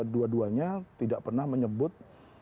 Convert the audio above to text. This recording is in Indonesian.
dua duanya tidak pernah menyebut